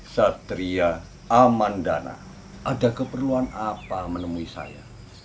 satria amandana ada keperluan apa menemui saya